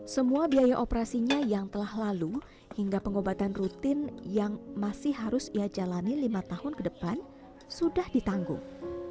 semua biaya operasinya yang telah lalu hingga pengobatan rutin yang masih harus ia jalani lima tahun ke depan sudah ditanggung